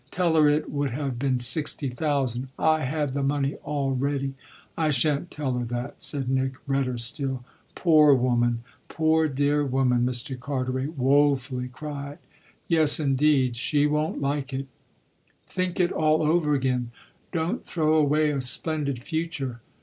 "Tell her it would have been sixty thousand. I had the money all ready." "I shan't tell her that," said Nick, redder still. "Poor woman poor dear woman!" Mr. Carteret woefully cried. "Yes indeed she won't like it." "Think it all over again; don't throw away a splendid future!"